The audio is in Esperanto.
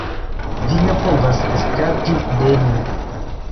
Vi ne povas eskapi de mi.